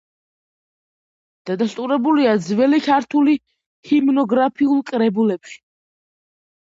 დადასტურებულია ძველი ქართული ჰიმნოგრაფიულ კრებულებში.